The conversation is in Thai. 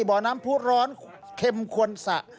บ่อน้ำผู้ร้อนเข็มควรสะ